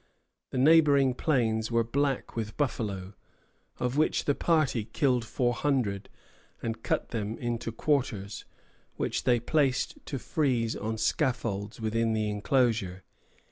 The neighboring plains were black with buffalo, of which the party killed four hundred, and cut them into quarters, which they placed to freeze on scaffolds within the enclosure.